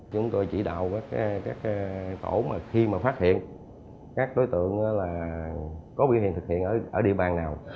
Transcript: chúng tôi chỉ đạo các tổ mà khi mà phát hiện các đối tượng có biểu hiện thực hiện ở địa bàn nào